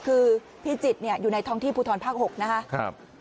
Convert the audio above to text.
คือพี่จิตอยู่ในท้องที่ภูทรภักดิ์๖นะคะ